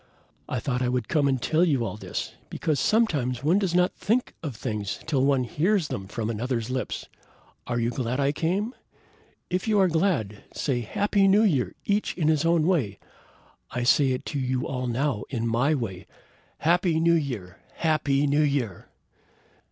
I thought I would come and tell you all this, because sometimes one does not think of things till one hears them from another's lips. Are you glad I came? If you are glad, say Happy New Year! each in his own way! I say it to you all now in my way. Happy New Year! Happy New Year!"